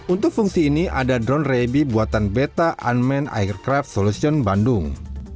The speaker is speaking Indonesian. untuk fungsi ini ada drone rebi buatan beta unmanned aircraft solutions bandung